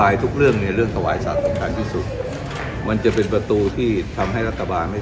การทุกเรื่องในเรื่องขวายสมคัญที่สุดมันจะเป็นประตูที่อยู่ทำให้รัฐบาลไม่